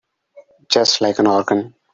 Just like an organ.